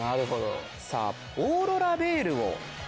さぁオーロラベールを。